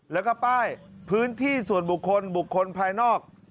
แล้วก็ป้ายพื้นที่ส่วนบุคคลบุคคลภายนอก